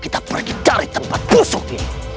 kita pergi cari tempat pusuk ini